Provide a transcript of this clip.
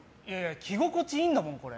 着心地いいんだもん、これ。